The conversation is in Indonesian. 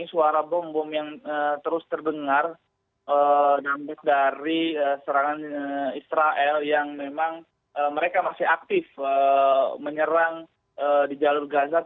scale menyebutkan buit dari australia